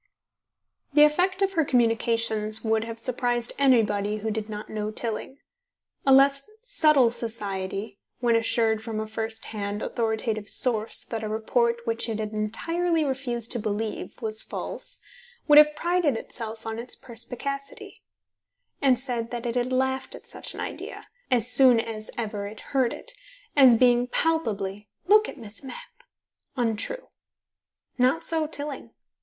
... The effect of her communications would have surprised anybody who did not know Tilling. A less subtle society, when assured from a first hand, authoritative source that a report which it had entirely refused to believe was false, would have prided itself on its perspicacity, and said that it had laughed at such an idea, as soon as ever it heard it, as being palpably (look at Miss Mapp!) untrue. Not so Tilling.